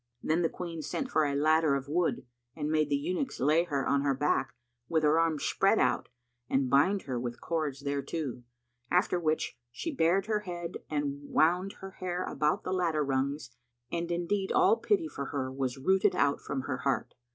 Then the Queen[FN#159] sent for a ladder of wood and made the eunuchs lay her on her back, with her arms spread out and bind her with cords thereto; after which she bared her head and wound her hair about the ladder rungs and indeed all pity for her was rooted out from her heart.